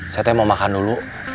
saya mau makan dulu